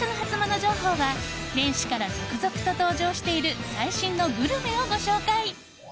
情報は年始から続々と登場している最新のグルメをご紹介。